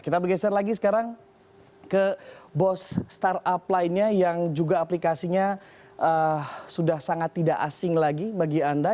kita bergeser lagi sekarang ke bos startup lainnya yang juga aplikasinya sudah sangat tidak asing lagi bagi anda